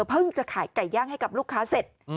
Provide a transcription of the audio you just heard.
เพิ่งจะขายไก่ย่างให้กับลูกค้าเสร็จ